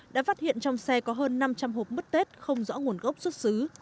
đã phát hiện trong xe có hơn năm trăm linh hộp mứt tết không rõ nguồn gốc xuất xứ